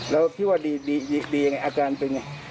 แล้วพี่ว่าดียังไงอาการเป็นไง